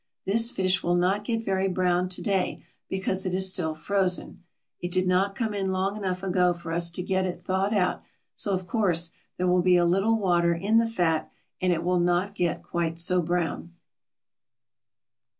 This fish will not get very brown to day, because it is still frozen. It did not come in long enough ago for us to get it thawed out, so, of course, there will be a little water in the fat, and it will not get quite so brown.